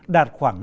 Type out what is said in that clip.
đạt khoảng năm mươi